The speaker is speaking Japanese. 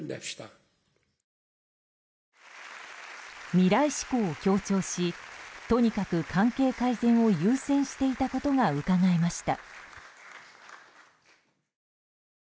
未来志向を強調しとにかく関係改善を優先していたことがうかがえました。